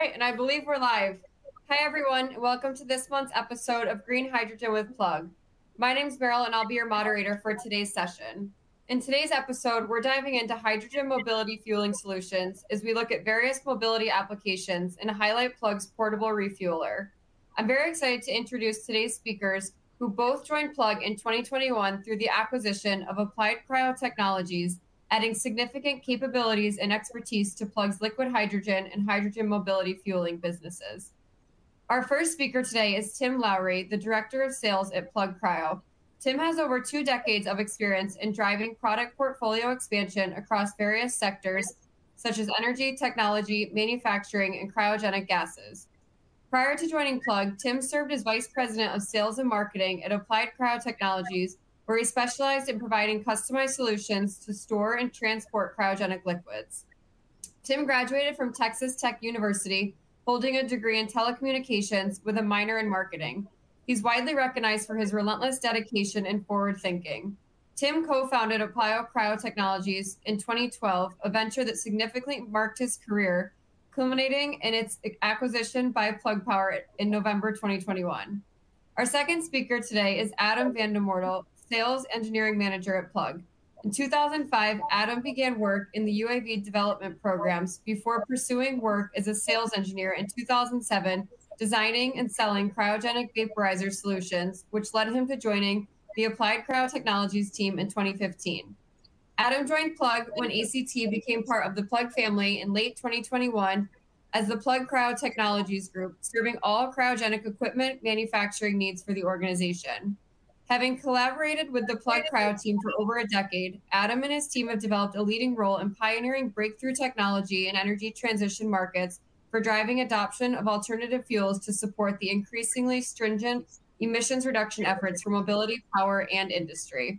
All right, I believe we're live. Hi everyone, and welcome to this month's episode of Green Hydrogen with Plug. My name's Meryl, and I'll be your moderator for today's session. In today's episode, we're diving into hydrogen mobility fueling solutions as we look at various mobility applications and highlight Plug's portable refueler. I'm very excited to introduce today's speakers, who both joined Plug in 2021 through the acquisition of Applied Cryo Technologies, adding significant capabilities and expertise to Plug's liquid hydrogen and hydrogen mobility fueling businesses. Our first speaker today is Tim Lowrey, the Director of Sales at Plug Power. Tim has over two decades of experience in driving product portfolio expansion across various sectors such as energy, technology, manufacturing, and cryogenic gases. Prior to joining Plug, Tim served as Vice President of Sales and Marketing at Applied Cryo Technologies, where he specialized in providing customized solutions to store and transport cryogenic liquids. Tim graduated from Texas Tech University, holding a degree in telecommunications with a minor in marketing. He's widely recognized for his relentless dedication and forward-thinking. Tim co-founded Applied Cryo Technologies in 2012, a venture that significantly marked his career, culminating in its acquisition by Plug Power in November 2021. Our second speaker today is Adam Van De Mortel, Sales Engineering Manager at Plug. In 2005, Adam began work in the UAV development programs before pursuing work as a sales engineer in 2007, designing and selling cryogenic vaporizer solutions, which led him to joining the Applied Cryo Technologies team in 2015. Adam joined Plug when ACT became part of the Plug family in late 2021 as the Plug Cryo Technologies group, serving all cryogenic equipment manufacturing needs for the organization. Having collaborated with the Plug Cryo team for over a decade, Adam and his team have developed a leading role in pioneering breakthrough technology in energy transition markets for driving adoption of alternative fuels to support the increasingly stringent emissions reduction efforts for mobility, power, and industry.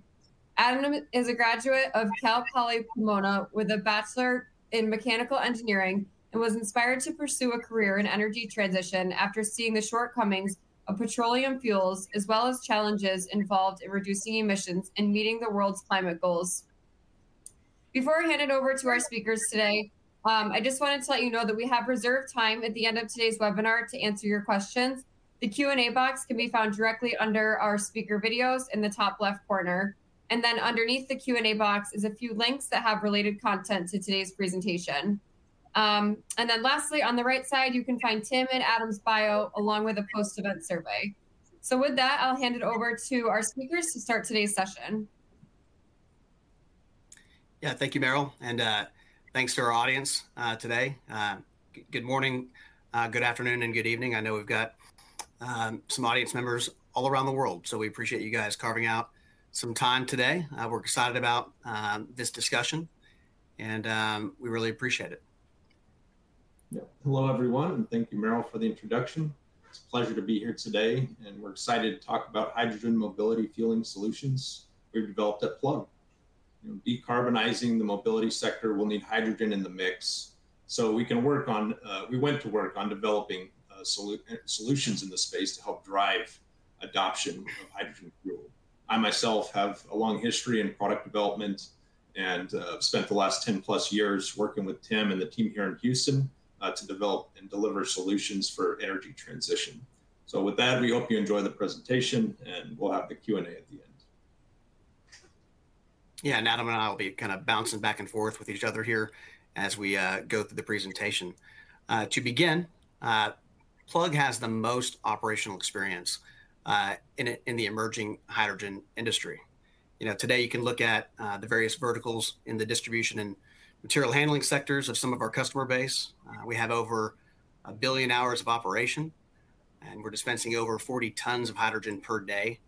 Adam is a graduate of Cal Poly Pomona with a bachelor's in mechanical engineering and was inspired to pursue a career in energy transition after seeing the shortcomings of petroleum fuels as well as challenges involved in reducing emissions and meeting the world's climate goals. Before I hand it over to our speakers today, I just wanted to let you know that we have reserved time at the end of today's webinar to answer your questions. The Q&A box can be found directly under our speaker videos in the top left corner, and then underneath the Q&A box is a few links that have related content to today's presentation. Lastly, on the right side, you can find Tim and Adam's bio along with a post-event survey. With that, I'll hand it over to our speakers to start today's session. Yeah, thank you, Meryl, and thanks to our audience today. Good morning, good afternoon, and good evening. I know we've got some audience members all around the world, so we appreciate you guys carving out some time today. We're excited about this discussion, and we really appreciate it. Yeah, hello everyone, and thank you, Meryl, for the introduction. It's a pleasure to be here today, and we're excited to talk about hydrogen mobility fueling solutions we've developed at Plug. Decarbonizing the mobility sector will need hydrogen in the mix, so we went to work on developing solutions in the space to help drive adoption of hydrogen fuel. I myself have a long history in product development and spent the last 10+ years working with Tim and the team here in Houston to develop and deliver solutions for energy transition. So with that, we hope you enjoy the presentation, and we'll have the Q&A at the end. Yeah, and Adam and I will be kind of bouncing back and forth with each other here as we go through the presentation. To begin, Plug has the most operational experience in the emerging hydrogen industry. Today, you can look at the various verticals in the distribution and material handling sectors of some of our customer base. We have over 1 billion hours of operation, and we're dispensing over 40 tons of hydrogen per day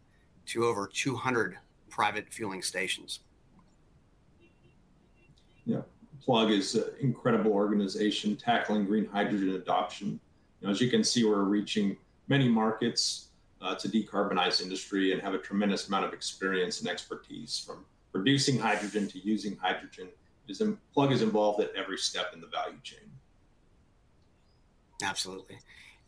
to over 200 private fueling stations. Yeah, Plug is an incredible organization tackling green hydrogen adoption. As you can see, we're reaching many markets to decarbonize industry and have a tremendous amount of experience and expertise from producing hydrogen to using hydrogen. Plug is involved at every step in the value chain. Absolutely.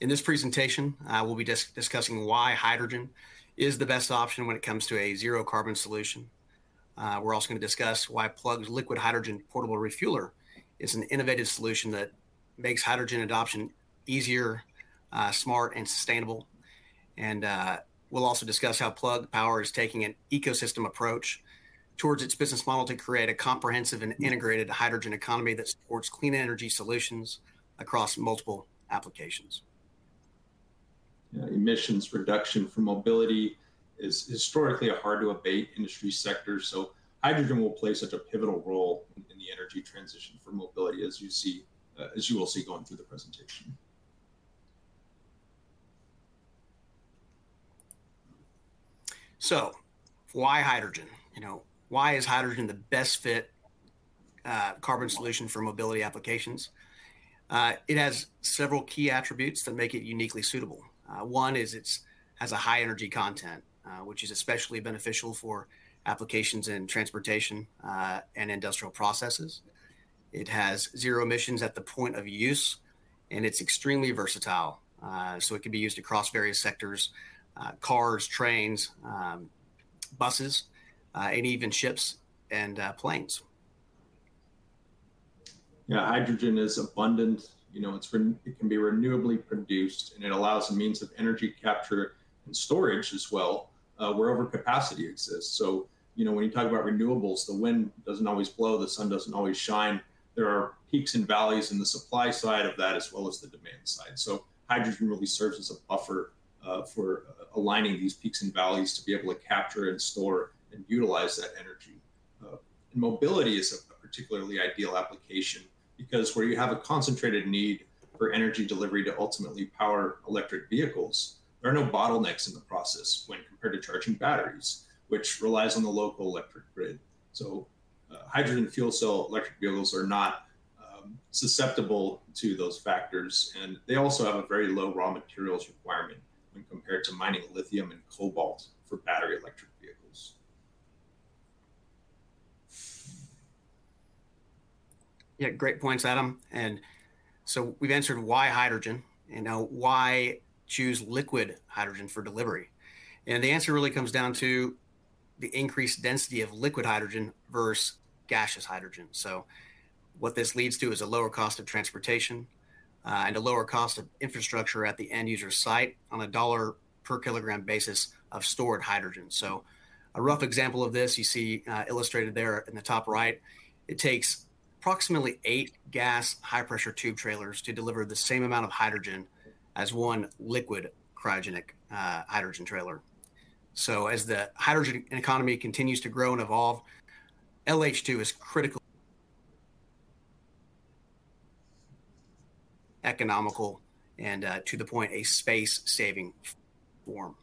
In this presentation, we'll be discussing why hydrogen is the best option when it comes to a zero-carbon solution. We're also going to discuss why Plug's liquid hydrogen portable refueler is an innovative solution that makes hydrogen adoption easier, smart, and sustainable. We'll also discuss how Plug Power is taking an ecosystem approach towards its business model to create a comprehensive and integrated hydrogen economy that supports clean energy solutions across multiple applications. Yeah, emissions reduction for mobility is historically a hard-to-abate industry sector, so hydrogen will play such a pivotal role in the energy transition for mobility, as you will see going through the presentation. So why hydrogen? Why is hydrogen the best-fit carbon solution for mobility applications? It has several key attributes that make it uniquely suitable. One is it has a high energy content, which is especially beneficial for applications in transportation and industrial processes. It has zero emissions at the point of use, and it's extremely versatile, so it can be used across various sectors: cars, trains, buses, and even ships and planes. Yeah, hydrogen is abundant. It can be renewably produced, and it allows a means of energy capture and storage as well wherever capacity exists. So when you talk about renewables, the wind doesn't always blow, the sun doesn't always shine. There are peaks and valleys in the supply side of that as well as the demand side. So hydrogen really serves as a buffer for aligning these peaks and valleys to be able to capture and store and utilize that energy. And mobility is a particularly ideal application because where you have a concentrated need for energy delivery to ultimately power electric vehicles, there are no bottlenecks in the process when compared to charging batteries, which relies on the local electric grid. Hydrogen fuel cell electric vehicles are not susceptible to those factors, and they also have a very low raw materials requirement when compared to mining lithium and cobalt for battery electric vehicles. Yeah, great points, Adam. And so we've answered why hydrogen and now why choose liquid hydrogen for delivery. And the answer really comes down to the increased density of liquid hydrogen versus gaseous hydrogen. So what this leads to is a lower cost of transportation and a lower cost of infrastructure at the end user site on a dollar per kilogram basis of stored hydrogen. So a rough example of this you see illustrated there in the top right, it takes approximately eight gas high-pressure tube trailers to deliver the same amount of hydrogen as one liquid cryogenic hydrogen trailer. So as the hydrogen economy continues to grow and evolve, LH2 is critically economical and, to the point, a space-saving form.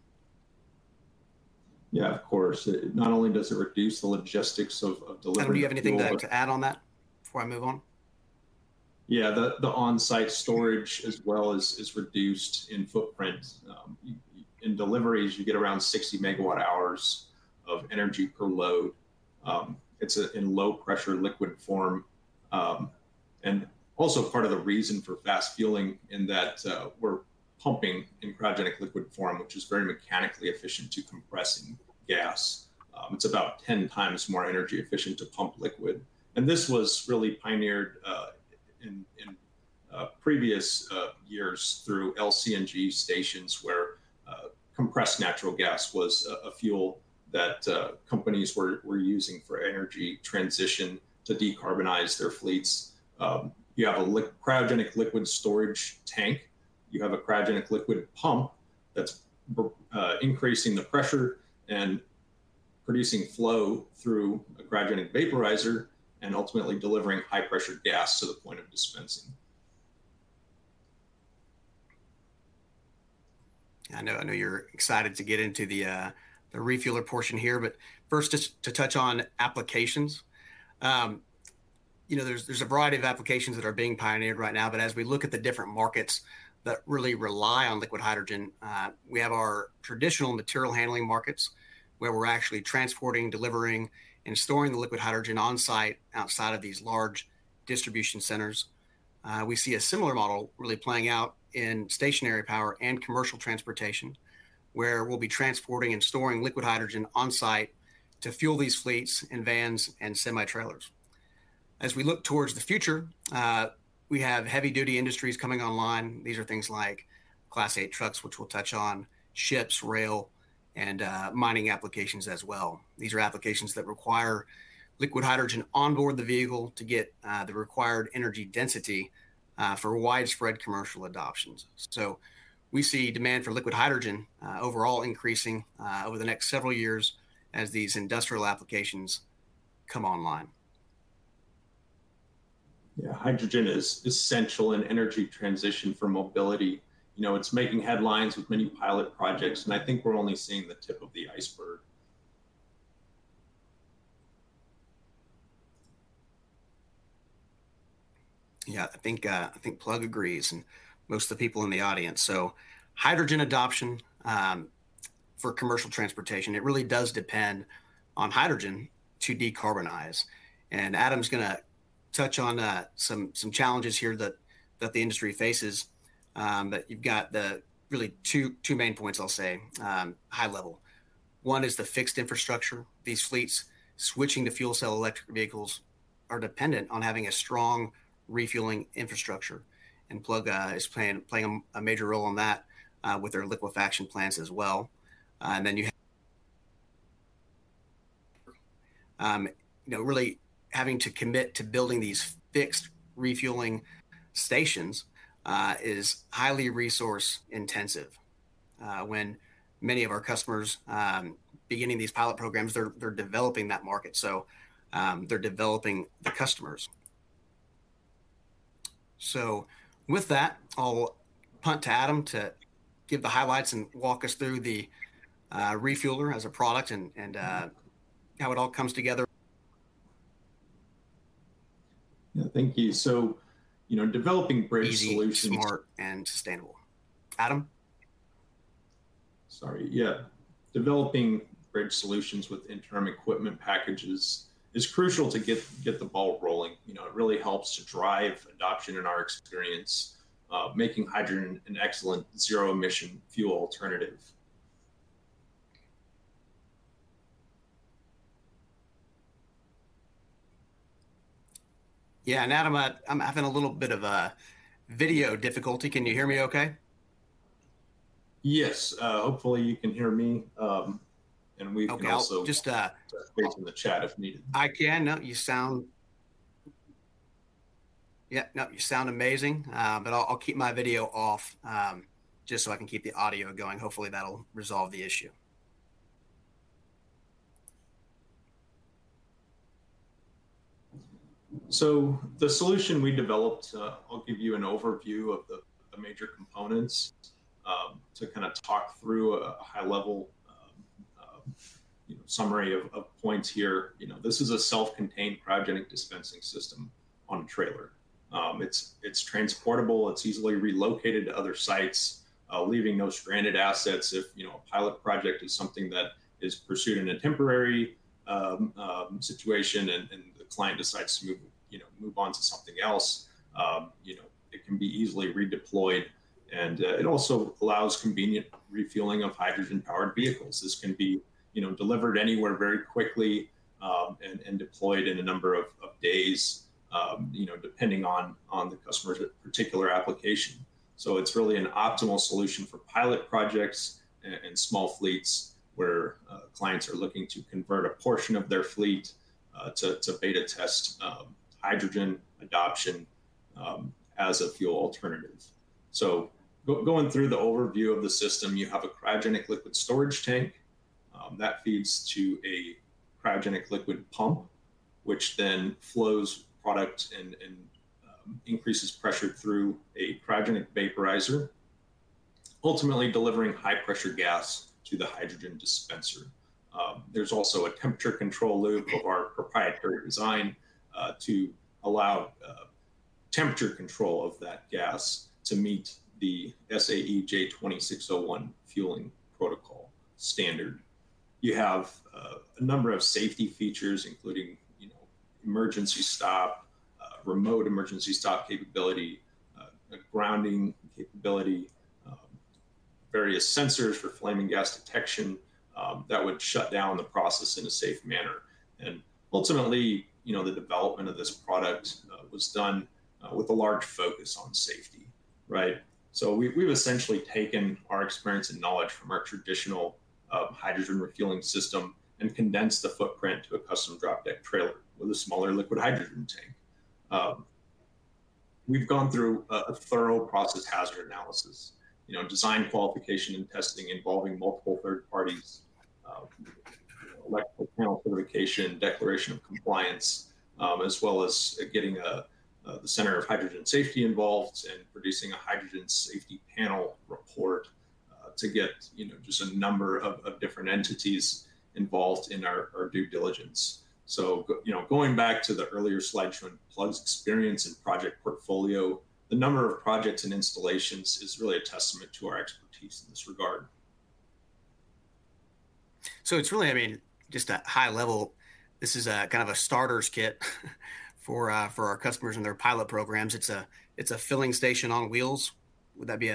Yeah, of course. Not only does it reduce the logistics of delivery. Adam, do you have anything to add on that before I move on? Yeah, the on-site storage as well is reduced in footprint. In deliveries, you get around 60 MWh of energy per load. It's in low-pressure liquid form. And also part of the reason for fast fueling in that we're pumping in cryogenic liquid form, which is very mechanically efficient to compressing gas. It's about 10x more energy efficient to pump liquid. And this was really pioneered in previous years through LCNG stations, where compressed natural gas was a fuel that companies were using for energy transition to decarbonize their fleets. You have a cryogenic liquid storage tank. You have a cryogenic liquid pump that's increasing the pressure and producing flow through a cryogenic vaporizer and ultimately delivering high-pressure gas to the point of dispensing. Yeah, I know you're excited to get into the refueler portion here, but first, just to touch on applications. There's a variety of applications that are being pioneered right now, but as we look at the different markets that really rely on liquid hydrogen, we have our traditional material handling markets where we're actually transporting, delivering, and storing the liquid hydrogen on-site outside of these large distribution centers. We see a similar model really playing out in stationary power and commercial transportation, where we'll be transporting and storing liquid hydrogen on-site to fuel these fleets in vans and semi-trailers. As we look towards the future, we have heavy-duty industries coming online. These are things like Class 8 trucks, which we'll touch on, ships, rail, and mining applications as well. These are applications that require liquid hydrogen onboard the vehicle to get the required energy density for widespread commercial adoptions. We see demand for liquid hydrogen overall increasing over the next several years as these industrial applications come online. Yeah, hydrogen is essential in energy transition for mobility. It's making headlines with many pilot projects, and I think we're only seeing the tip of the iceberg. Yeah, I think Plug agrees and most of the people in the audience. So hydrogen adoption for commercial transportation, it really does depend on hydrogen to decarbonize. And Adam's going to touch on some challenges here that the industry faces. But you've got really two main points, I'll say, high level. One is the fixed infrastructure. These fleets switching to fuel cell electric vehicles are dependent on having a strong refueling infrastructure, and Plug is playing a major role in that with their liquefaction plants as well. And then you have really having to commit to building these fixed refueling stations is highly resource-intensive. When many of our customers beginning these pilot programs, they're developing that market, so they're developing the customers. So with that, I'll punt to Adam to give the highlights and walk us through the refueler as a product and how it all comes together. Yeah, thank you. So developing bridge solutions. Smart and sustainable. Adam? Sorry. Yeah, developing bridge solutions with internal equipment packages is crucial to get the ball rolling. It really helps to drive adoption in our experience, making hydrogen an excellent zero-emission fuel alternative. Yeah, and Adam, I'm having a little bit of video difficulty. Can you hear me okay? Yes, hopefully you can hear me, and we can also. Okay, I'll just. Phrase in the chat if needed. I can. No, you sound. Yeah, no, you sound amazing, but I'll keep my video off just so I can keep the audio going. Hopefully that'll resolve the issue. So the solution we developed, I'll give you an overview of the major components to kind of talk through a high-level summary of points here. This is a self-contained cryogenic dispensing system on a trailer. It's transportable. It's easily relocated to other sites, leaving no stranded assets. If a pilot project is something that is pursued in a temporary situation and the client decides to move on to something else, it can be easily redeployed. And it also allows convenient refueling of hydrogen-powered vehicles. This can be delivered anywhere very quickly and deployed in a number of days, depending on the customer's particular application. So it's really an optimal solution for pilot projects and small fleets where clients are looking to convert a portion of their fleet to beta test hydrogen adoption as a fuel alternative. So going through the overview of the system, you have a cryogenic liquid storage tank. That feeds to a cryogenic liquid pump, which then flows product and increases pressure through a cryogenic vaporizer, ultimately delivering high-pressure gas to the hydrogen dispenser. There's also a temperature control loop of our proprietary design to allow temperature control of that gas to meet the SAE J2601 fueling protocol standard. You have a number of safety features, including emergency stop, remote emergency stop capability, grounding capability, various sensors for flaming gas detection that would shut down the process in a safe manner. And ultimately, the development of this product was done with a large focus on safety. So we've essentially taken our experience and knowledge from our traditional hydrogen refueling system and condensed the footprint to a custom drop-deck trailer with a smaller liquid hydrogen tank. We've gone through a thorough process hazard analysis, design qualification and testing involving multiple third parties, electrical panel certification, declaration of compliance, as well as getting the Center for Hydrogen Safety involved and producing a Hydrogen Safety Panel report to get just a number of different entities involved in our due diligence. Going back to the earlier slideshow, Plug's experience and project portfolio, the number of projects and installations is really a testament to our expertise in this regard. So it's really, I mean, just a high level, this is kind of a starter's kit for our customers in their pilot programs. It's a filling station on wheels. Would that be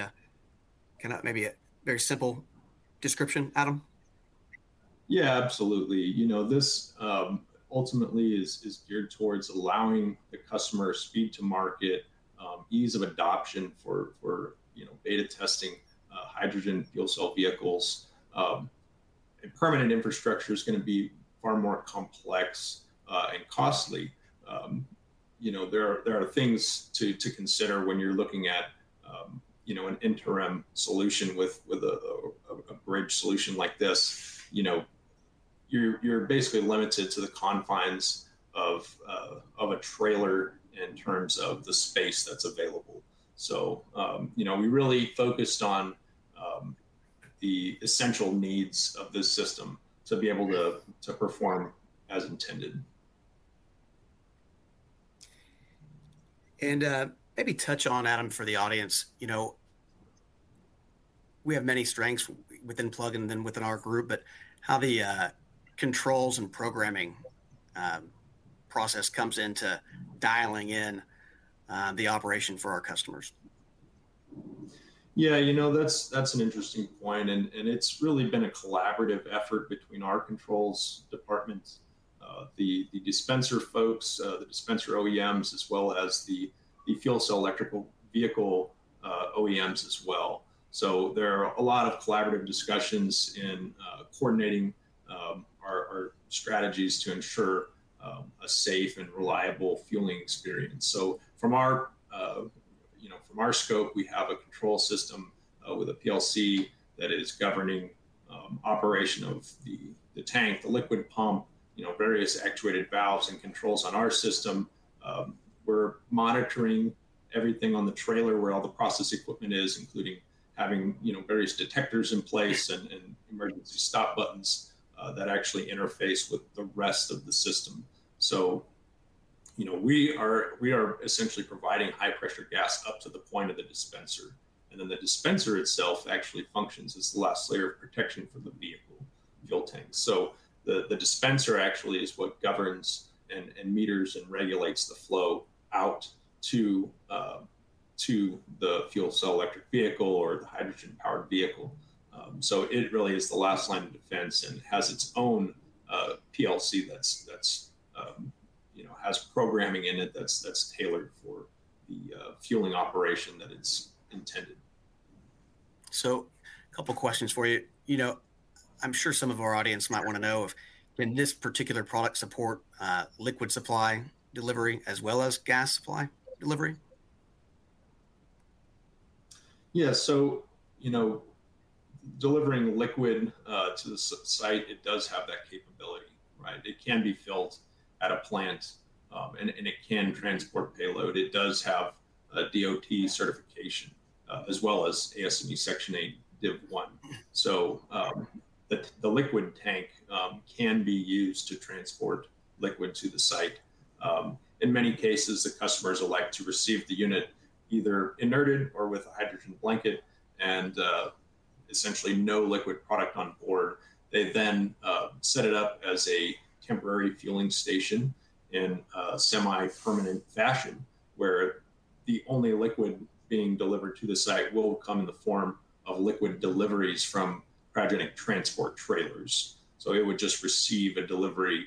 kind of maybe a very simple description, Adam? Yeah, absolutely. This ultimately is geared towards allowing the customer speed to market, ease of adoption for beta testing hydrogen fuel cell vehicles. Permanent infrastructure is going to be far more complex and costly. There are things to consider when you're looking at an interim solution with a bridge solution like this. You're basically limited to the confines of a trailer in terms of the space that's available. So we really focused on the essential needs of this system to be able to perform as intended. Maybe touch on, Adam, for the audience, we have many strengths within Plug and then within our group, but how the controls and programming process comes into dialing in the operation for our customers. Yeah, that's an interesting point. It's really been a collaborative effort between our controls departments, the dispenser folks, the dispenser OEMs, as well as the fuel cell electric vehicle OEMs as well. There are a lot of collaborative discussions in coordinating our strategies to ensure a safe and reliable fueling experience. From our scope, we have a control system with a PLC that is governing operation of the tank, the liquid pump, various actuated valves and controls on our system. We're monitoring everything on the trailer, where all the process equipment is, including having various detectors in place and emergency stop buttons that actually interface with the rest of the system. We are essentially providing high-pressure gas up to the point of the dispenser. Then the dispenser itself actually functions as the last layer of protection for the vehicle fuel tank. So the dispenser actually is what governs and meters and regulates the flow out to the fuel cell electric vehicle or the hydrogen-powered vehicle. So it really is the last line of defense and has its own PLC that has programming in it that's tailored for the fueling operation that it's intended. A couple of questions for you. I'm sure some of our audience might want to know if in this particular product support liquid supply delivery as well as gas supply delivery? Yeah, so delivering liquid to the site, it does have that capability. It can be filled at a plant, and it can transport payload. It does have DOT certification as well as ASME Section VIII Division 1. So the liquid tank can be used to transport liquid to the site. In many cases, the customers elect to receive the unit either inerted or with a hydrogen blanket and essentially no liquid product on board. They then set it up as a temporary fueling station in a semi-permanent fashion, where the only liquid being delivered to the site will come in the form of liquid deliveries from cryogenic transport trailers. So it would just receive a delivery,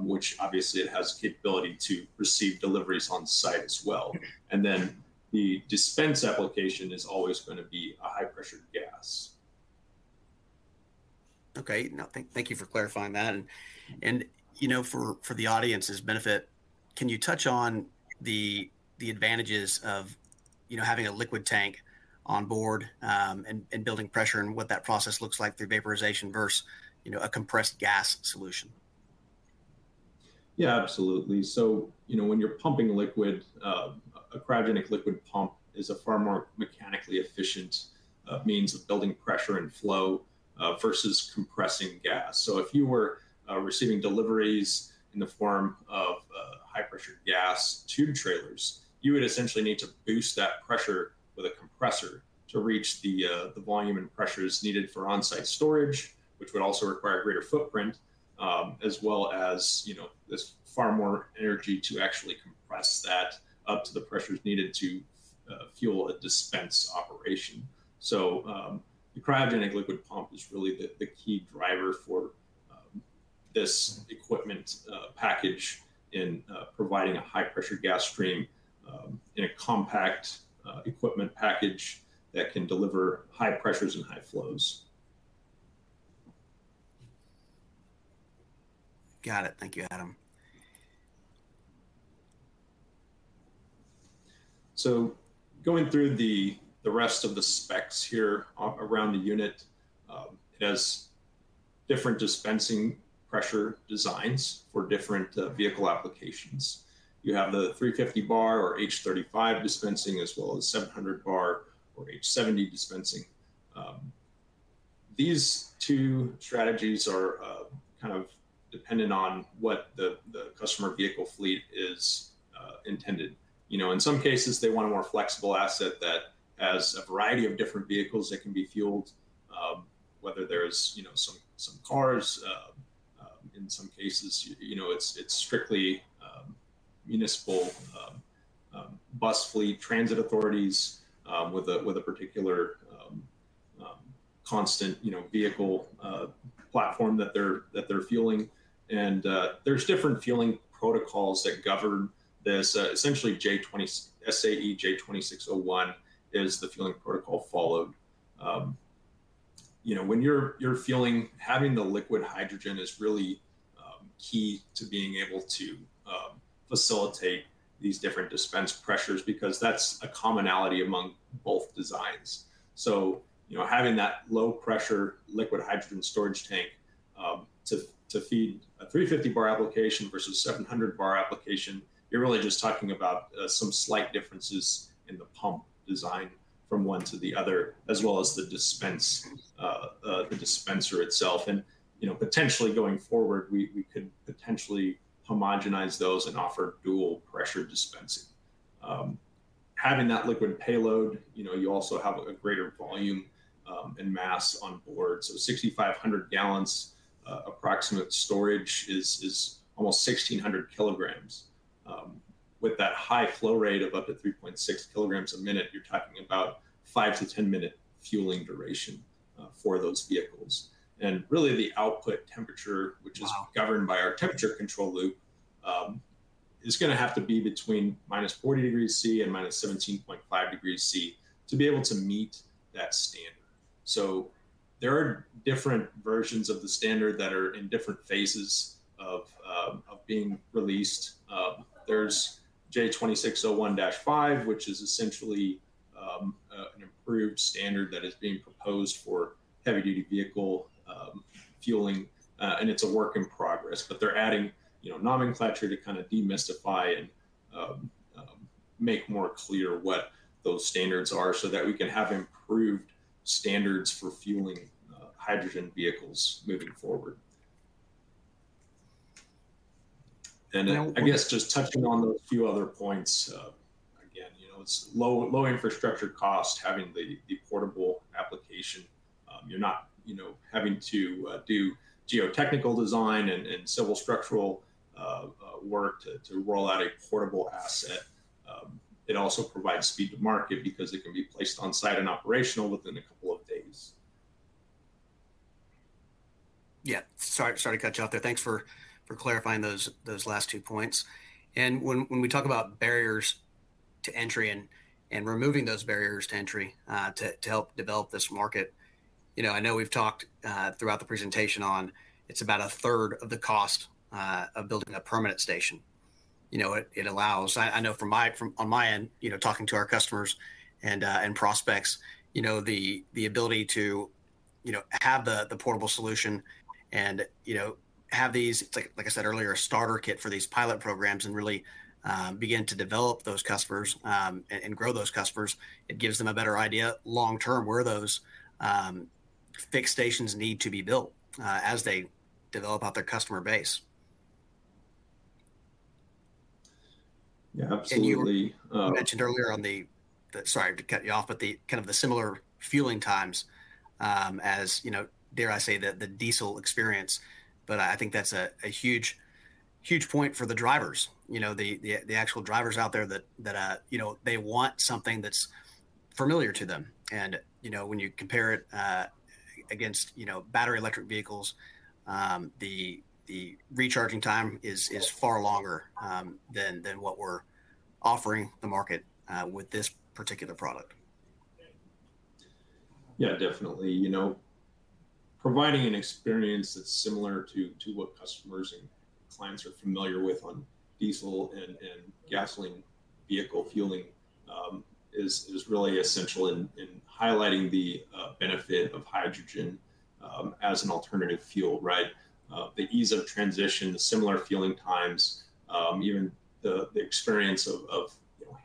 which obviously it has capability to receive deliveries on site as well. And then the dispense application is always going to be a high-pressure gas. Okay, thank you for clarifying that. For the audience's benefit, can you touch on the advantages of having a liquid tank on board and building pressure and what that process looks like through vaporization versus a compressed gas solution? Yeah, absolutely. So when you're pumping liquid, a cryogenic liquid pump is a far more mechanically efficient means of building pressure and flow versus compressing gas. So if you were receiving deliveries in the form of high-pressure gas tube trailers, you would essentially need to boost that pressure with a compressor to reach the volume and pressures needed for on-site storage, which would also require greater footprint, as well as far more energy to actually compress that up to the pressures needed to fuel a dispense operation. So the cryogenic liquid pump is really the key driver for this equipment package in providing a high-pressure gas stream in a compact equipment package that can deliver high pressures and high flows. Got it. Thank you, Adam. Going through the rest of the specs here around the unit, it has different dispensing pressure designs for different vehicle applications. You have the 350 Bar or H35 dispensing, as well as 700 Bar or H70 dispensing. These two strategies are kind of dependent on what the customer vehicle fleet is intended. In some cases, they want a more flexible asset that has a variety of different vehicles that can be fueled, whether there's some cars. In some cases, it's strictly municipal bus fleet transit authorities with a particular constant vehicle platform that they're fueling. And there's different fueling protocols that govern this. Essentially, SAE J2601 is the fueling protocol followed. When you're fueling, having the liquid hydrogen is really key to being able to facilitate these different dispense pressures because that's a commonality among both designs. Having that low-pressure liquid hydrogen storage tank to feed a 350 bar application versus 700 bar application, you're really just talking about some slight differences in the pump design from one to the other, as well as the dispenser itself. Potentially going forward, we could potentially homogenize those and offer dual pressure dispensing. Having that liquid payload, you also have a greater volume and mass on board. 6,500 gallons approximate storage is almost 1,600kg. With that high flow rate of up to 3.6kg a minute, you're talking about 5- to 10-minute fueling duration for those vehicles. Really, the output temperature, which is governed by our temperature control loop, is going to have to be between -40 degrees Celsius and -17.5 degrees Celsius to be able to meet that standard. So there are different versions of the standard that are in different phases of being released. There’s J2601-5, which is essentially an improved standard that is being proposed for heavy-duty vehicle fueling. And it’s a work in progress. But they’re adding nomenclature to kind of demystify and make more clear what those standards are so that we can have improved standards for fueling hydrogen vehicles moving forward. And I guess just touching on those few other points again, it’s low infrastructure cost, having the portable application. You’re not having to do geotechnical design and civil structural work to roll out a portable asset. It also provides speed to market because it can be placed on site and operational within a couple of days. Yeah, sorry to cut you out there. Thanks for clarifying those last two points. When we talk about barriers to entry and removing those barriers to entry to help develop this market, I know we've talked throughout the presentation on, it's about a third of the cost of building a permanent station. It allows, I know from my own end, talking to our customers and prospects, the ability to have the portable solution and have these, like I said earlier, a starter kit for these pilot programs and really begin to develop those customers and grow those customers. It gives them a better idea long-term where those fixed stations need to be built as they develop out their customer base. Yeah, absolutely. You mentioned earlier, sorry to cut you off, but kind of the similar fueling times as, dare I say, the diesel experience. I think that's a huge point for the drivers, the actual drivers out there that they want something that's familiar to them. And when you compare it against battery electric vehicles, the recharging time is far longer than what we're offering the market with this particular product. Yeah, definitely. Providing an experience that's similar to what customers and clients are familiar with on diesel and gasoline vehicle fueling is really essential in highlighting the benefit of hydrogen as an alternative fuel, the ease of transition, the similar fueling times, even the experience of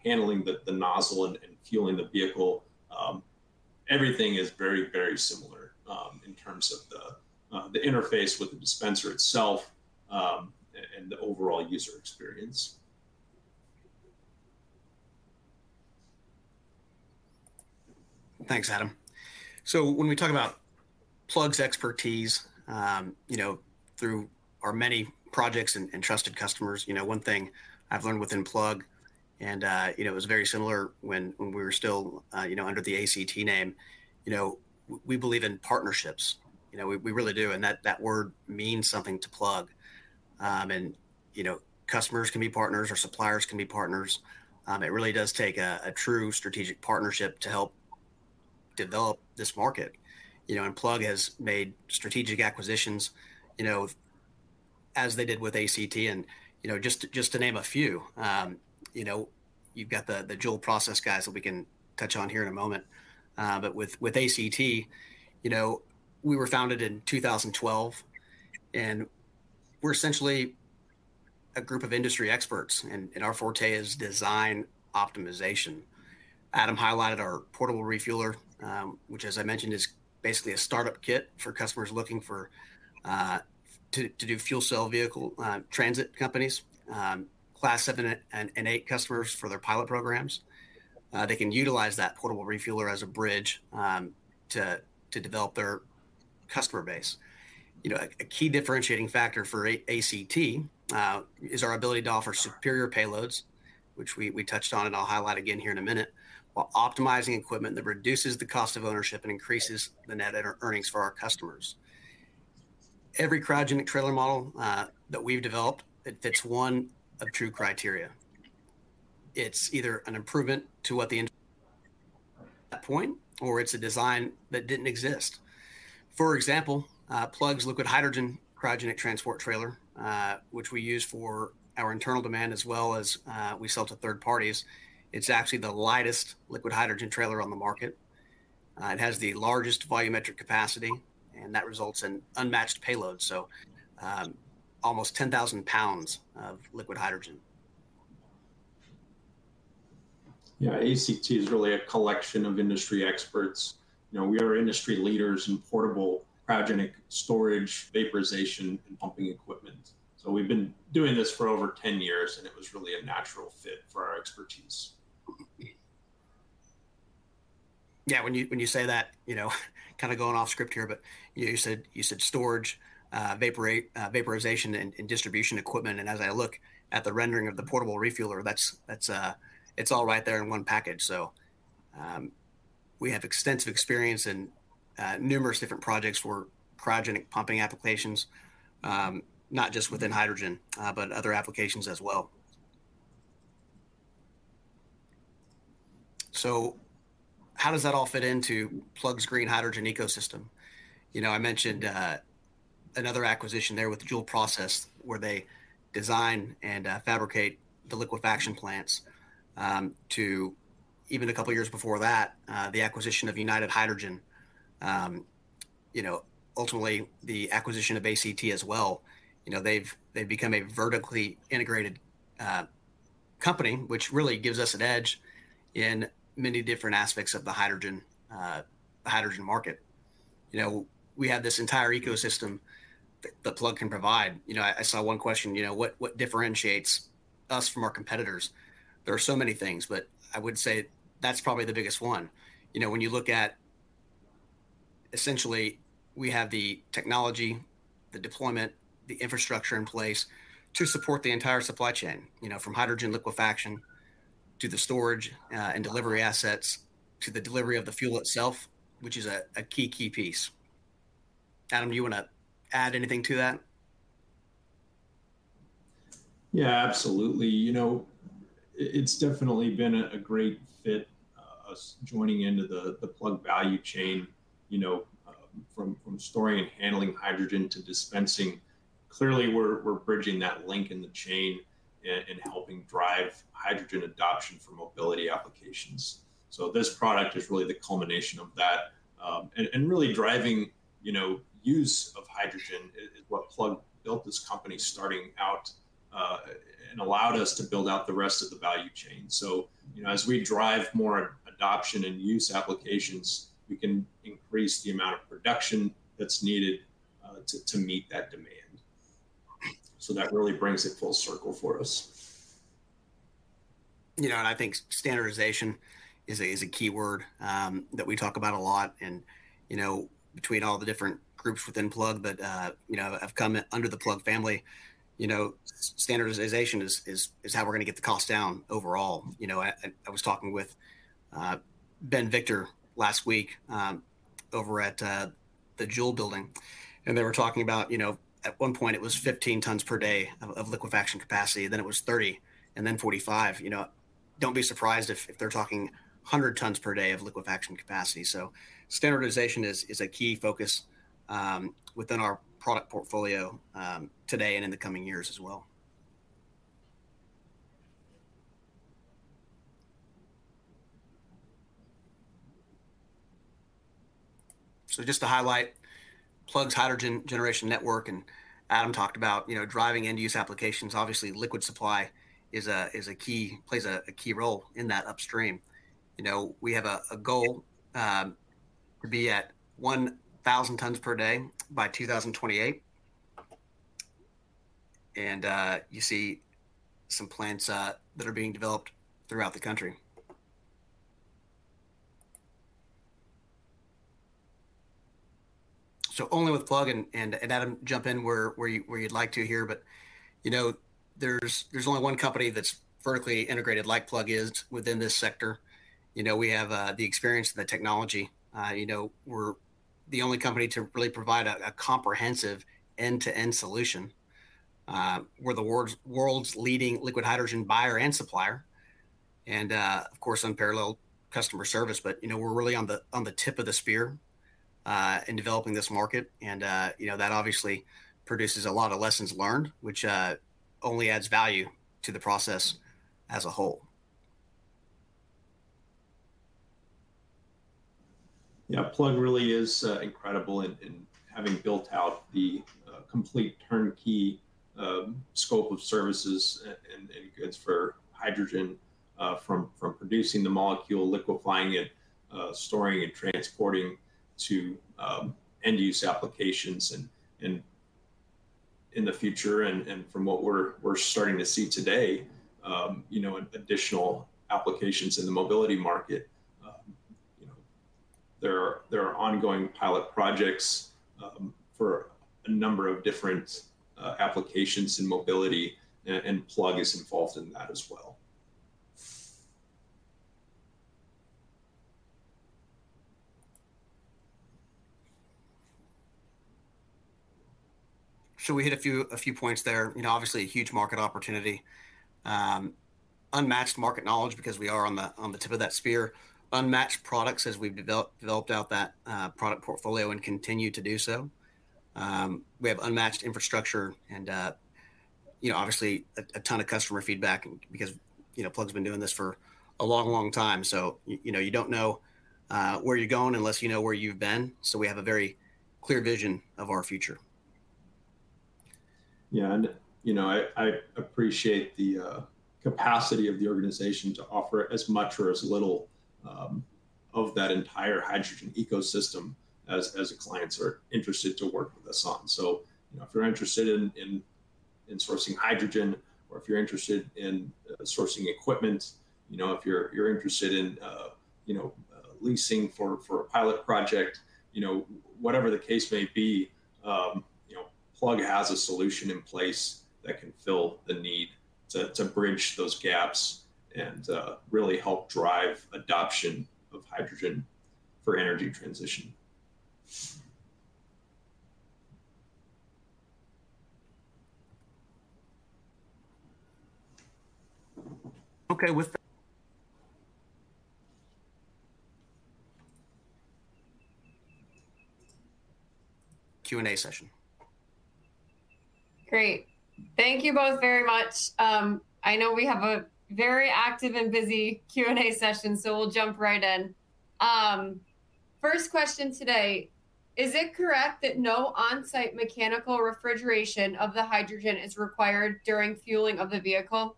handling the nozzle and fueling the vehicle. Everything is very, very similar in terms of the interface with the dispenser itself and the overall user experience. Thanks, Adam. So when we talk about Plug's expertise through our many projects and trusted customers, one thing I've learned within Plug, and it was very similar when we were still under the ACT name, we believe in partnerships. We really do. And that word means something to Plug. And customers can be partners or suppliers can be partners. It really does take a true strategic partnership to help develop this market. And Plug has made strategic acquisitions as they did with ACT. And just to name a few, you've got the Joule Processing guys that we can touch on here in a moment. But with ACT, we were founded in 2012. And we're essentially a group of industry experts. And our forte is design optimization. Adam highlighted our portable refueler, which, as I mentioned, is basically a startup kit for customers looking to do fuel cell vehicle transit companies, Class 7 and Class 8 customers for their pilot programs. They can utilize that portable refueler as a bridge to develop their customer base. A key differentiating factor for ACT is our ability to offer superior payloads, which we touched on and I'll highlight again here in a minute, while optimizing equipment that reduces the cost of ownership and increases the net earnings for our customers. Every cryogenic trailer model that we've developed, it fits one of two criteria. It's either an improvement to what exists, or it's a design that didn't exist. For example, Plug's liquid hydrogen cryogenic transport trailer, which we use for our internal demand as well as we sell to third parties, it's actually the lightest liquid hydrogen trailer on the market. It has the largest volumetric capacity. That results in unmatched payloads, so almost 10,000 pounds of liquid hydrogen. Yeah, ACT is really a collection of industry experts. We are industry leaders in portable, cryogenic storage, vaporization, and pumping equipment. So we've been doing this for over 10 years. And it was really a natural fit for our expertise. Yeah, when you say that, kind of going off script here, but you said storage, vaporization, and distribution equipment. And as I look at the rendering of the portable refueler, it's all right there in one package. So we have extensive experience in numerous different projects for cryogenic pumping applications, not just within hydrogen, but other applications as well. So how does that all fit into Plug's green hydrogen ecosystem? I mentioned another acquisition there with Joule Processing where they design and fabricate the liquefaction plants. Even a couple of years before that, the acquisition of United Hydrogen, ultimately the acquisition of ACT as well, they've become a vertically integrated company, which really gives us an edge in many different aspects of the hydrogen market. We have this entire ecosystem that Plug can provide. I saw one question, what differentiates us from our competitors? There are so many things. But I would say that's probably the biggest one. When you look at essentially, we have the technology, the deployment, the infrastructure in place to support the entire supply chain, from hydrogen liquefaction to the storage and delivery assets to the delivery of the fuel itself, which is a key, key piece. Adam, do you want to add anything to that? Yeah, absolutely. It's definitely been a great fit us joining into the Plug value chain, from storing and handling hydrogen to dispensing. Clearly, we're bridging that link in the chain and helping drive hydrogen adoption for mobility applications. So this product is really the culmination of that. And really, driving use of hydrogen is what Plug built, this company starting out, and allowed us to build out the rest of the value chain. So as we drive more adoption and use applications, we can increase the amount of production that's needed to meet that demand. So that really brings it full circle for us. I think standardization is a key word that we talk about a lot between all the different groups within Plug that have come under the Plug family. Standardization is how we're going to get the cost down overall. I was talking with Ben Victor last week over at the Joule building. And they were talking about at one point, it was 15 tons per day of liquefaction capacity. Then it was 30, and then 45. Don't be surprised if they're talking 100 tons per day of liquefaction capacity. So standardization is a key focus within our product portfolio today and in the coming years as well. So just to highlight Plug's hydrogen generation network, and Adam talked about driving end-use applications, obviously, liquid supply plays a key role in that upstream. We have a goal to be at 1,000 tons per day by 2028. You see some plants that are being developed throughout the country. So, and with Plug and Adam, jump in where you'd like to hear. There's only one company that's vertically integrated like Plug is within this sector. We have the experience and the technology. We're the only company to really provide a comprehensive end-to-end solution. We're the world's leading liquid hydrogen buyer and supplier. Of course, unparalleled customer service. We're really on the tip of the spear in developing this market. That obviously produces a lot of lessons learned, which only adds value to the process as a whole. Yeah, Plug really is incredible in having built out the complete turnkey scope of services and goods for hydrogen, from producing the molecule, liquefying it, storing and transporting to end-use applications in the future. From what we're starting to see today, additional applications in the mobility market, there are ongoing pilot projects for a number of different applications in mobility. Plug is involved in that as well. We hit a few points there. Obviously, a huge market opportunity, unmatched market knowledge because we are on the tip of that spear, unmatched products as we've developed out that product portfolio and continue to do so. We have unmatched infrastructure and obviously, a ton of customer feedback because Plug's been doing this for a long, long time. You don't know where you're going unless you know where you've been. We have a very clear vision of our future. Yeah, and I appreciate the capacity of the organization to offer as much or as little of that entire hydrogen ecosystem as the clients are interested to work with us on. So if you're interested in sourcing hydrogen, or if you're interested in sourcing equipment, if you're interested in leasing for a pilot project, whatever the case may be, Plug has a solution in place that can fill the need to bridge those gaps and really help drive adoption of hydrogen for energy transition. OK, with. Q&A session. Great. Thank you both very much. I know we have a very active and busy Q&A session. We'll jump right in. First question today, is it correct that no on-site mechanical refrigeration of the hydrogen is required during fueling of the vehicle?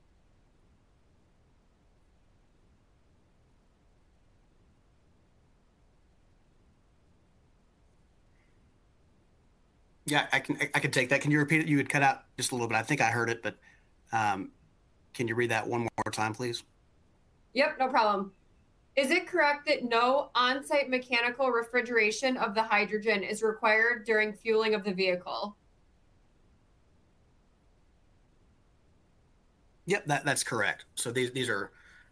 Yeah, I can take that. Can you repeat it? You had cut out just a little bit. I think I heard it. But can you read that one more time, please? Yep, no problem. Is it correct that no on-site mechanical refrigeration of the hydrogen is required during fueling of the vehicle? Yep, that's correct. So these are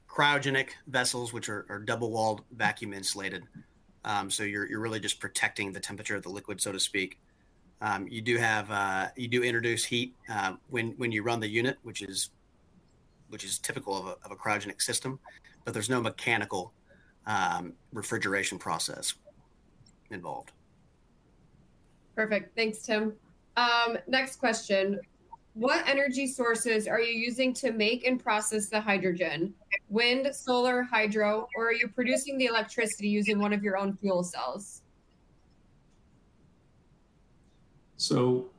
cryogenic vessels, which are double-walled, vacuum insulated. So you're really just protecting the temperature of the liquid, so to speak. You do introduce heat when you run the unit, which is typical of a cryogenic system. But there's no mechanical refrigeration process involved. Perfect. Thanks, Tim. Next question, what energy sources are you using to make and process the hydrogen? Wind, solar, hydro, or are you producing the electricity using one of your own fuel cells? So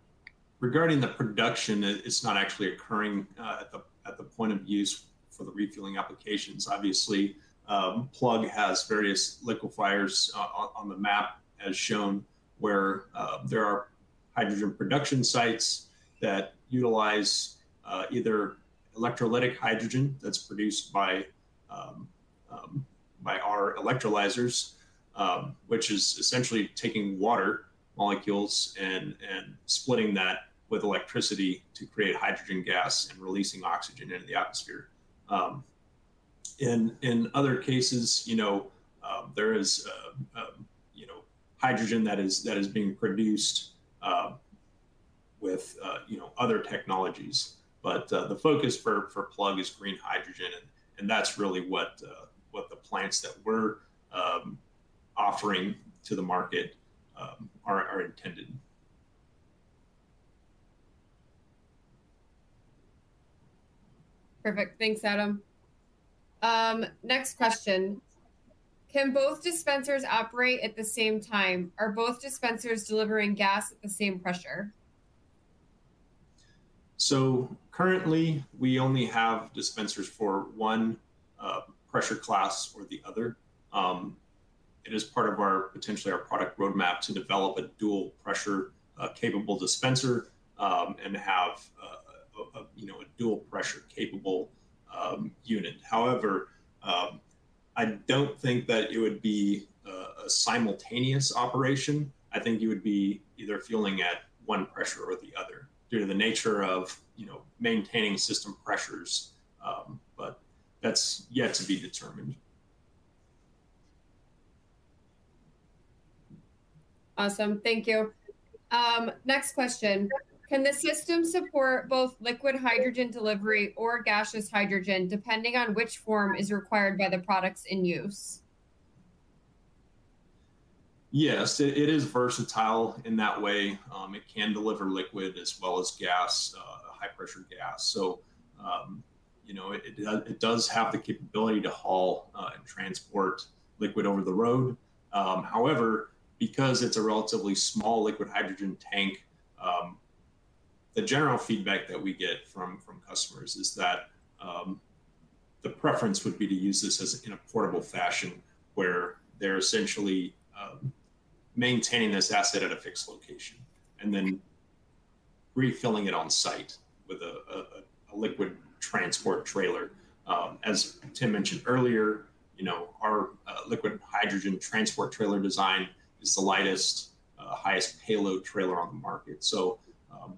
regarding the production, it's not actually occurring at the point of use for the refueling applications. Obviously, Plug has various liquefiers on the map, as shown, where there are hydrogen production sites that utilize either electrolytic hydrogen that's produced by our electrolyzers, which is essentially taking water molecules and splitting that with electricity to create hydrogen gas and releasing oxygen into the atmosphere. In other cases, there is hydrogen that is being produced with other technologies. But the focus for Plug is green hydrogen. And that's really what the plants that we're offering to the market are intended. Perfect. Thanks, Adam. Next question, can both dispensers operate at the same time? Are both dispensers delivering gas at the same pressure? So currently, we only have dispensers for one pressure class or the other. It is part of potentially our product roadmap to develop a dual-pressure capable dispenser and have a dual-pressure capable unit. However, I don't think that it would be a simultaneous operation. I think you would be either fueling at one pressure or the other due to the nature of maintaining system pressures. But that's yet to be determined. Awesome. Thank you. Next question, can the system support both liquid hydrogen delivery or gaseous hydrogen, depending on which form is required by the products in use? Yes, it is versatile in that way. It can deliver liquid as well as gas, high-pressure gas. So it does have the capability to haul and transport liquid over the road. However, because it's a relatively small liquid hydrogen tank, the general feedback that we get from customers is that the preference would be to use this in a portable fashion where they're essentially maintaining this asset at a fixed location and then refilling it on site with a liquid transport trailer. As Tim mentioned earlier, our liquid hydrogen transport trailer design is the lightest, highest payload trailer on the market. So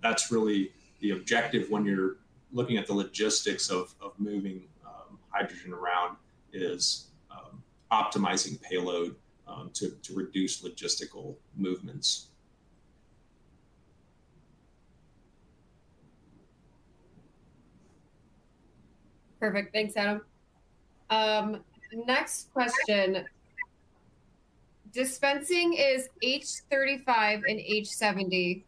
that's really the objective when you're looking at the logistics of moving hydrogen around is optimizing payload to reduce logistical movements. Perfect. Thanks, Adam. Next question, dispensing is H35 and H70?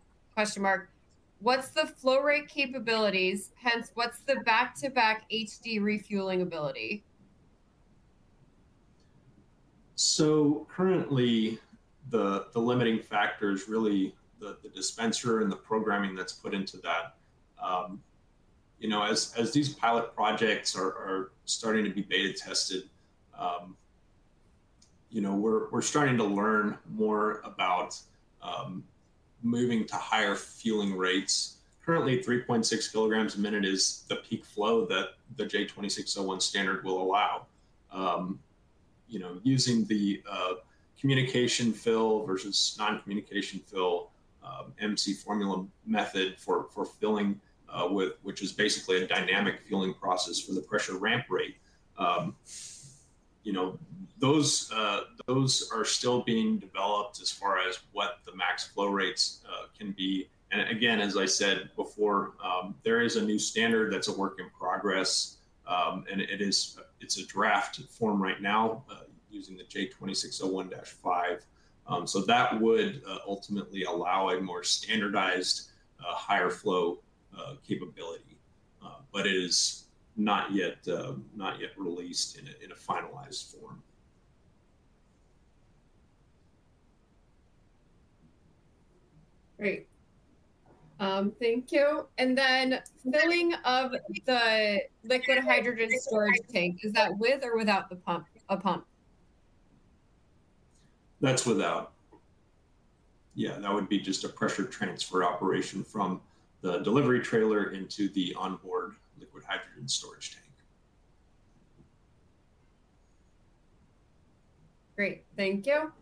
What's the flow rate capabilities? Hence, what's the back-to-back HD refueling ability? Currently, the limiting factor is really the dispenser and the programming that's put into that. As these pilot projects are starting to be beta tested, we're starting to learn more about moving to higher fueling rates. Currently, 3.6kg a minute is the peak flow that the J2601 standard will allow. Using the communication fill versus non-communication fill MC formula method for filling, which is basically a dynamic fueling process for the pressure ramp rate, those are still being developed as far as what the max flow rates can be. Again, as I said before, there is a new standard that's a work in progress. It's a draft form right now using the J2601-5. That would ultimately allow a more standardized, higher flow capability. But it is not yet released in a finalized form. Great. Thank you. And then filling of the liquid hydrogen storage tank, is that with or without a pump? That's without. Yeah, that would be just a pressure transfer operation from the delivery trailer into the onboard liquid hydrogen storage tank. Great. Thank you.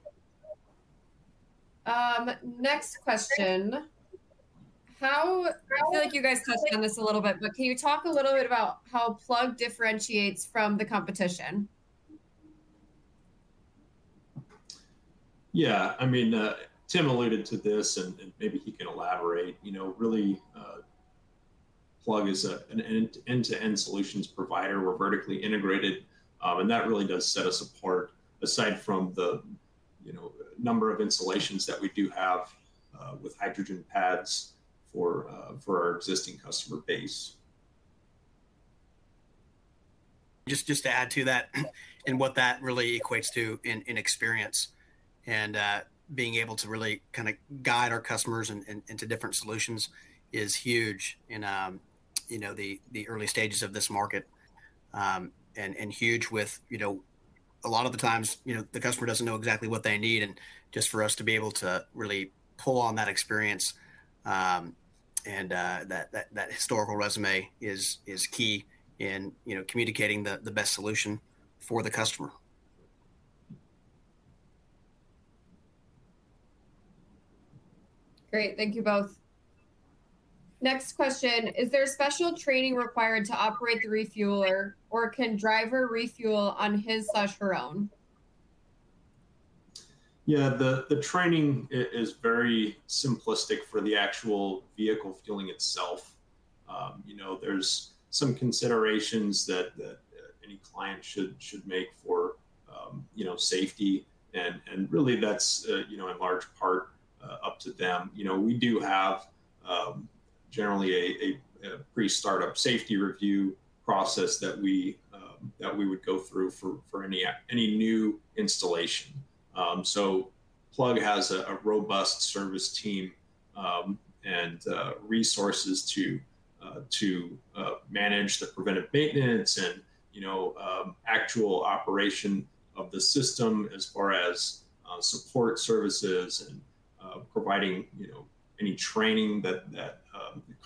Next question, how I feel like you guys touched on this a little bit. But can you talk a little bit about how Plug differentiates from the competition? Yeah, I mean, Tim alluded to this. Maybe he can elaborate. Really, Plug is an end-to-end solutions provider. We're vertically integrated. That really does set us apart, aside from the number of installations that we do have with hydrogen pads for our existing customer base. Just to add to that and what that really equates to in experience. Being able to really kind of guide our customers into different solutions is huge in the early stages of this market, and huge with a lot of the times, the customer doesn't know exactly what they need. Just for us to be able to really pull on that experience and that historical resume is key in communicating the best solution for the customer. Great. Thank you both. Next question, is there special training required to operate the refueler? Or can driver refuel on his/her own? Yeah, the training is very simplistic for the actual vehicle fueling itself. There's some considerations that any client should make for safety. And really, that's in large part up to them. We do have generally a pre-startup safety review process that we would go through for any new installation. So Plug has a robust service team and resources to manage the preventive maintenance and actual operation of the system as far as support services and providing any training that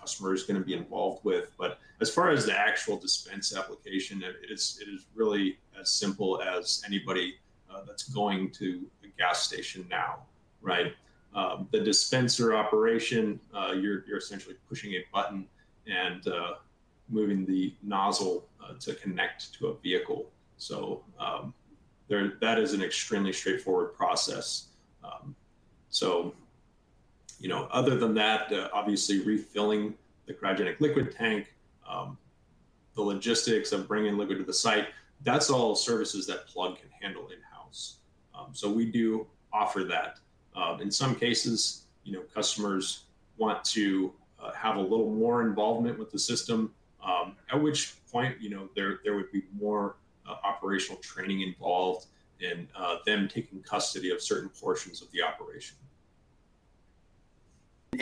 the customer is going to be involved with. But as far as the actual dispense application, it is really as simple as anybody that's going to a gas station now, right? The dispenser operation, you're essentially pushing a button and moving the nozzle to connect to a vehicle. So that is an extremely straightforward process. So other than that, obviously, refilling the cryogenic liquid tank, the logistics of bringing liquid to the site, that's all services that Plug can handle in-house. So we do offer that. In some cases, customers want to have a little more involvement with the system, at which point there would be more operational training involved in them taking custody of certain portions of the operation.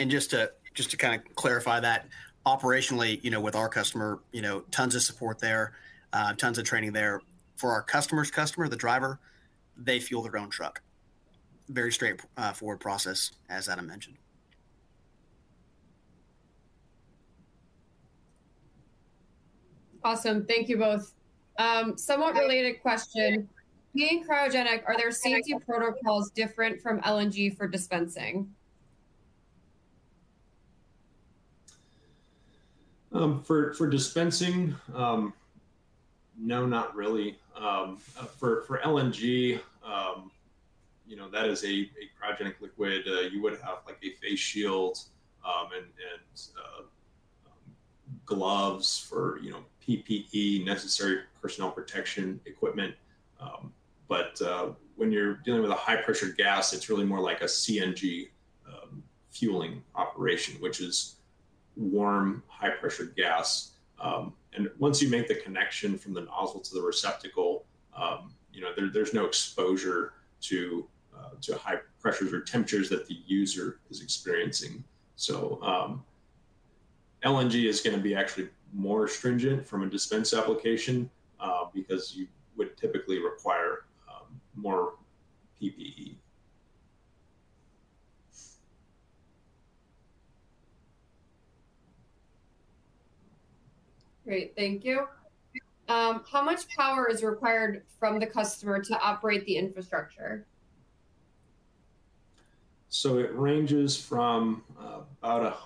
Just to kind of clarify that, operationally, with our customer, tons of support there, tons of training there. For our customer's customer, the driver, they fuel their own truck. Very straightforward process, as Adam mentioned. Awesome. Thank you both. Somewhat related question, being cryogenic, are there safety protocols different from LNG for dispensing? For dispensing, no, not really. For LNG, that is a cryogenic liquid. You would have a face shield and gloves for PPE, necessary personal protective equipment. But when you're dealing with a high-pressure gas, it's really more like a CNG fueling operation, which is warm, high-pressure gas. Once you make the connection from the nozzle to the receptacle, there's no exposure to high pressures or temperatures that the user is experiencing. So LNG is going to be actually more stringent from a dispense application because you would typically require more PPE. Great. Thank you. How much power is required from the customer to operate the infrastructure? It ranges from about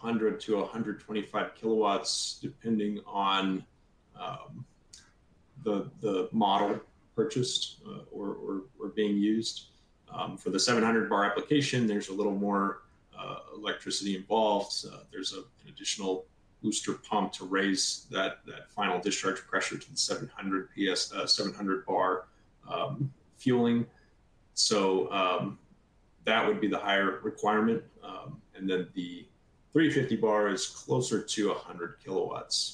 100-125 kW, depending on the model purchased or being used. For the 700-bar application, there's a little more electricity involved. There's an additional booster pump to raise that final discharge pressure to the 700-bar fueling. That would be the higher requirement. Then the 350-bar is closer to 100 kW.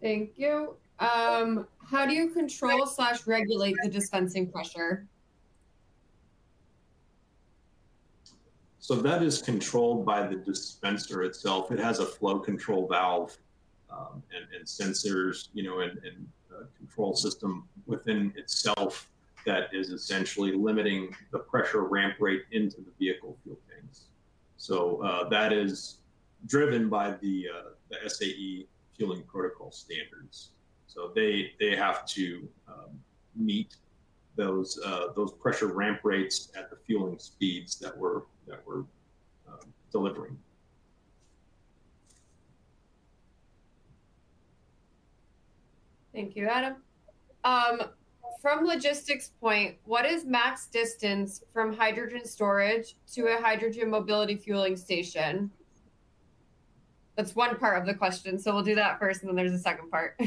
Thank you. How do you control or regulate the dispensing pressure? That is controlled by the dispenser itself. It has a flow control valve and sensors and control system within itself that is essentially limiting the pressure ramp rate into the vehicle fuel tanks. That is driven by the SAE fueling protocol standards. They have to meet those pressure ramp rates at the fueling speeds that we're delivering. Thank you, Adam. From logistics point, what is max distance from hydrogen storage to a hydrogen mobility fueling station? That's one part of the question. So we'll do that first. And then there's a second part.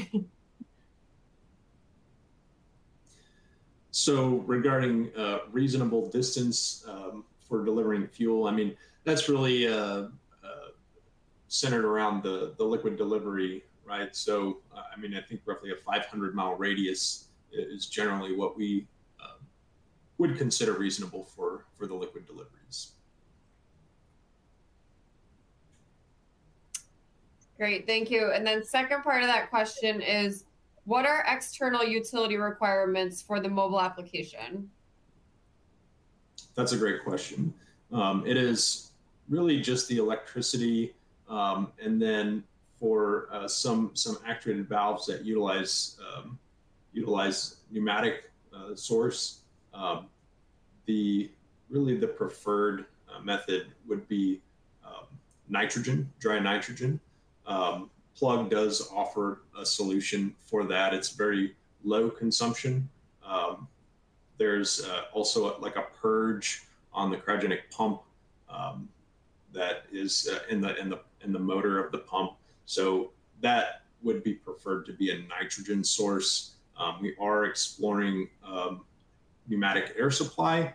So regarding reasonable distance for delivering fuel, I mean, that's really centered around the liquid delivery, right? So I mean, I think roughly a 500-mile radius is generally what we would consider reasonable for the liquid deliveries. Great. Thank you. And then second part of that question is, what are external utility requirements for the mobile application? That's a great question. It is really just the electricity. And then for some actuated valves that utilize pneumatic source, really, the preferred method would be nitrogen, dry nitrogen. Plug does offer a solution for that. It's very low consumption. There's also a purge on the cryogenic pump that is in the motor of the pump. So that would be preferred to be a nitrogen source. We are exploring pneumatic air supply,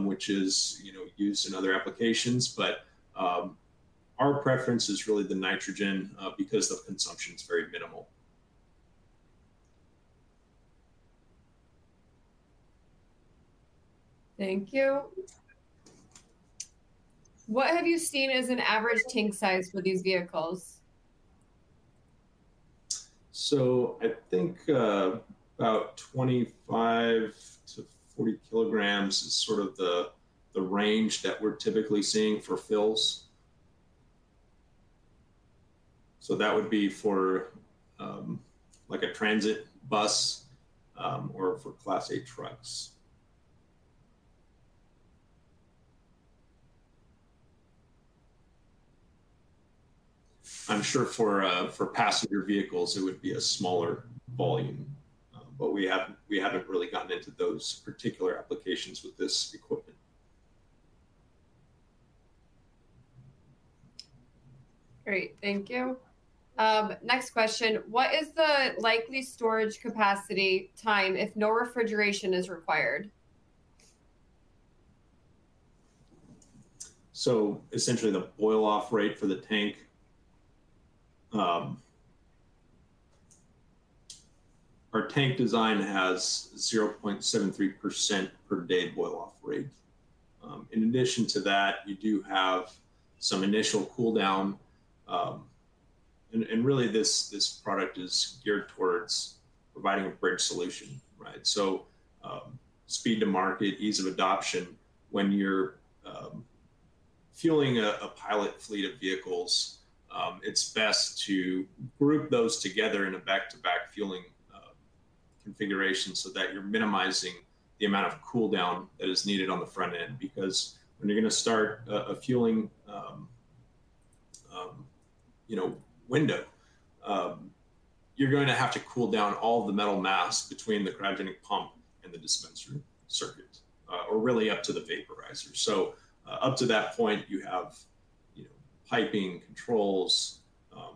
which is used in other applications. But our preference is really the nitrogen because the consumption is very minimal. Thank you. What have you seen as an average tank size for these vehicles? So I think about 25kg-40kg is sort of the range that we're typically seeing for fills. So that would be for a transit bus or for Class 8 trucks. I'm sure for passenger vehicles, it would be a smaller volume. But we haven't really gotten into those particular applications with this equipment. Great. Thank you. Next question, what is the likely storage capacity time if no refrigeration is required? So essentially, the boil-off rate for the tank, our tank design has 0.73% per day boil-off rate. In addition to that, you do have some initial cooldown. And really, this product is geared towards providing a bridge solution, right? So speed to market, ease of adoption. When you're fueling a pilot fleet of vehicles, it's best to group those together in a back-to-back fueling configuration so that you're minimizing the amount of cooldown that is needed on the front end. Because when you're going to start a fueling window, you're going to have to cool down all of the metal mass between the cryogenic pump and the dispenser circuit or really up to the vaporizer. So up to that point, you have piping, controls,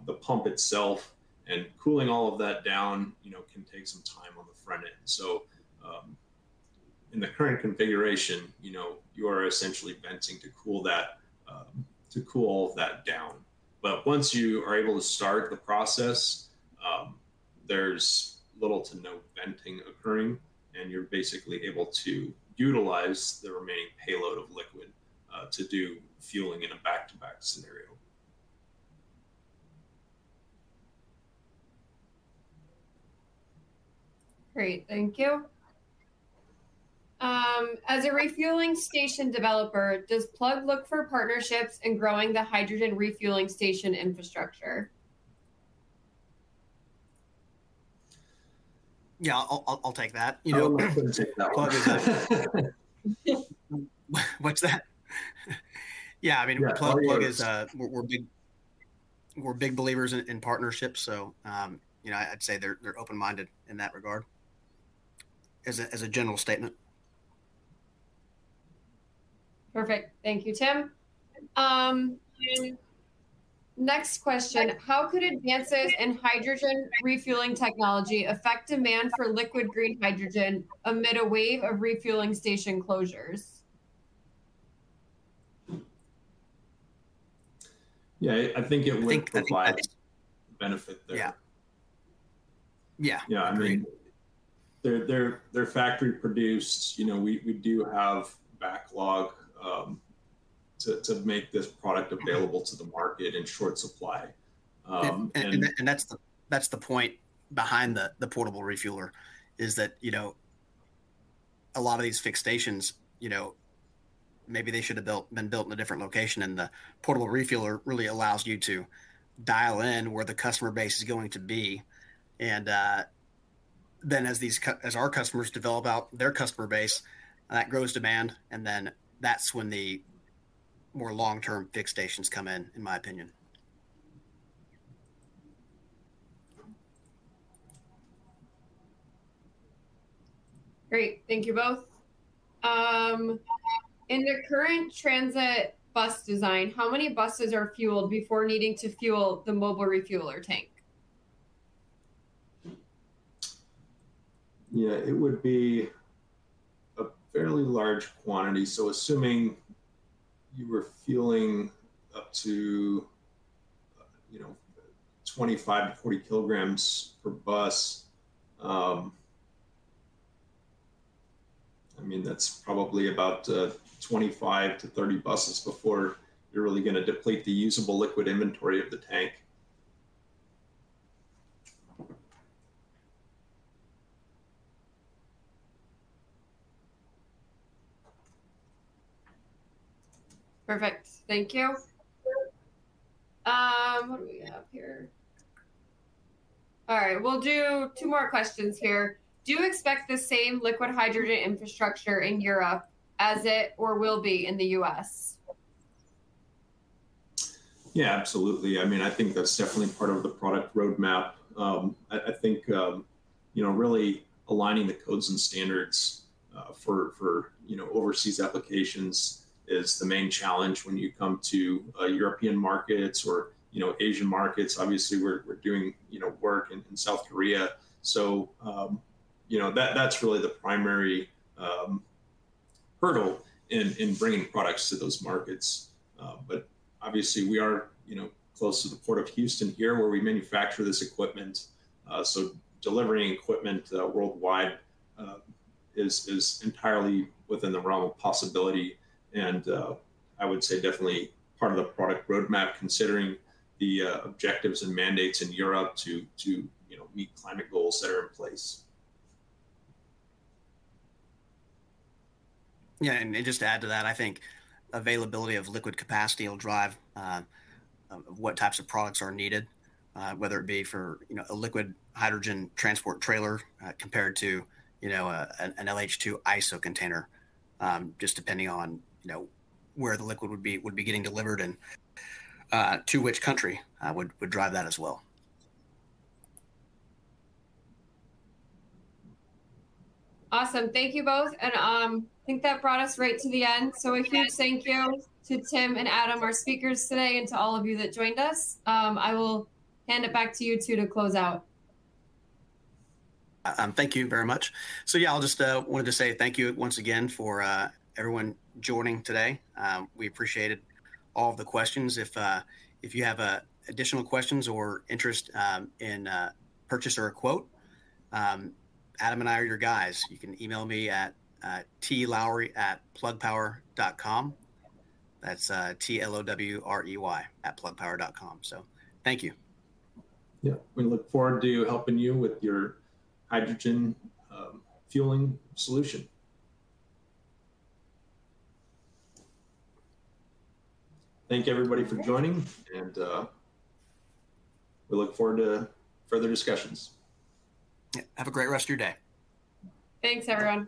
the pump itself. And cooling all of that down can take some time on the front end. In the current configuration, you are essentially venting to cool all of that down. But once you are able to start the process, there's little to no venting occurring. You're basically able to utilize the remaining payload of liquid to do fueling in a back-to-back scenario. Great. Thank you. As a refueling station developer, does Plug look for partnerships in growing the hydrogen refueling station infrastructure? Yeah, I'll take that. Plug is a what's that? Yeah, I mean, Plug is a we're big believers in partnerships. So I'd say they're open-minded in that regard as a general statement. Perfect. Thank you, Tim. Next question, how could advances in hydrogen refueling technology affect demand for liquid green hydrogen amid a wave of refueling station closures? Yeah, I think it would provide a benefit there. Yeah. Yeah. Yeah, I mean, they're factory produced. We do have backlog to make this product available to the market in short supply. That's the point behind the portable refueler, is that a lot of these fixed stations, maybe they should have been built in a different location. The portable refueler really allows you to dial in where the customer base is going to be. Then as our customers develop out their customer base, that grows demand. Then that's when the more long-term fixed stations come in, in my opinion. Great. Thank you both. In the current transit bus design, how many buses are fueled before needing to fuel the mobile refueler tank? Yeah, it would be a fairly large quantity. So assuming you were fueling up to 25kg-40kg per bus, I mean, that's probably about 25-30 buses before you're really going to deplete the usable liquid inventory of the tank. Perfect. Thank you. What do we have here? All right. We'll do two more questions here. Do you expect the same liquid hydrogen infrastructure in Europe as it or will be in the U.S.? Yeah, absolutely. I mean, I think that's definitely part of the product roadmap. I think really aligning the codes and standards for overseas applications is the main challenge when you come to European markets or Asian markets. Obviously, we're doing work in South Korea. So that's really the primary hurdle in bringing products to those markets. But obviously, we are close to the Port of Houston here where we manufacture this equipment. So delivering equipment worldwide is entirely within the realm of possibility. And I would say definitely part of the product roadmap, considering the objectives and mandates in Europe to meet climate goals that are in place. Yeah. And just to add to that, I think availability of liquid capacity will drive what types of products are needed, whether it be for a liquid hydrogen transport trailer compared to an LH2 ISO container, just depending on where the liquid would be getting delivered and to which country would drive that as well. Awesome. Thank you both. I think that brought us right to the end. A huge thank you to Tim and Adam, our speakers today, and to all of you that joined us. I will hand it back to you two to close out. Thank you very much. So yeah, I just wanted to say thank you once again for everyone joining today. We appreciated all of the questions. If you have additional questions or interest in purchase or a quote, Adam and I are your guys. You can email me at timlowrey@plugpower.com. That's T-I-M-L-O-W-R-E-Y at plugpower.com. So thank you. Yeah. We look forward to helping you with your hydrogen fueling solution. Thank everybody for joining. We look forward to further discussions. Yeah. Have a great rest of your day. Thanks, everyone.